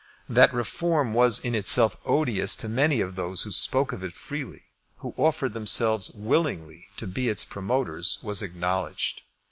That Reform was in itself odious to many of those who spoke of it freely, who offered themselves willingly to be its promoters, was acknowledged.